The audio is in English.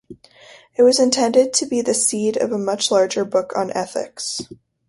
It was intended to be the seed of a much larger book on ethics.